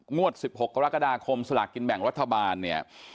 งวด๑๖กรกฎาคมสลากกินแบ่งรัฐบาลเนี่ย